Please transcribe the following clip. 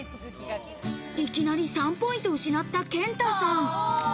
いきなり３ポイント失った健太さん。